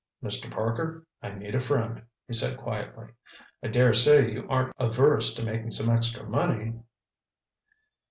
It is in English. "Mr. Parker, I need a friend," he said quietly. "I dare say you aren't averse to making some extra money?"